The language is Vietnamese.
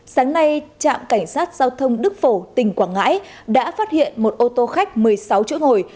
sáng nay trạm cảnh sát giao thông đức phổ tỉnh quảng ngãi đã phát hiện một ô tô khách một mươi sáu chỗ ngồi